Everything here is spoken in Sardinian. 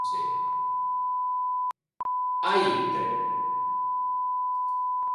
A ite?